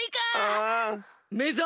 めざ！